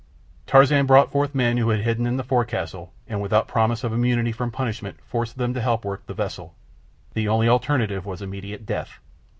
Tarzan brought forth the men who had hidden in the forecastle, and without promises of immunity from punishment forced them to help work the vessel—the only alternative was immediate death.